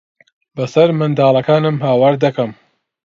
بەسەر منداڵەکانم ھاوار دەکەم.